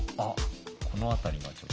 この辺りがちょっと。